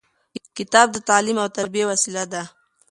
کتاب د تعلیم او تربیې وسیله ده.